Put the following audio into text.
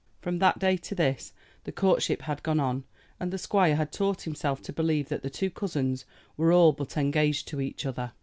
From that day to this the courtship had gone on, and the squire had taught himself to believe that the two cousins were all but engaged to each other.